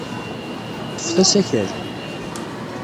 Ḍḍfet asakal.